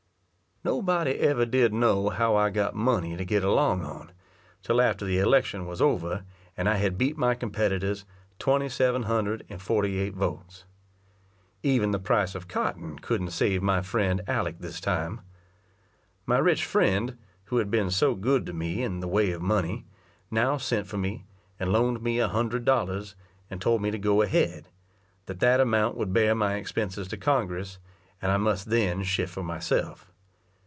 Nobody ever did know how I got money to get along on, till after the election was over, and I had beat my competitors twenty seven hundred and forty eight votes. Even the price of cotton couldn't save my friend Aleck this time. My rich friend, who had been so good to me in the way of money, now sent for me, and loaned me a hundred dollars, and told me to go ahead; that that amount would bear my expenses to Congress, and I must then shift for myself.